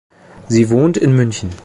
Sie wohnt in München.